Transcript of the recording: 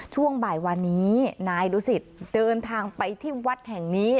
ช่วงบ่ายวันนี้นายดูสิตเดินทางไปที่วัดแห่งนี้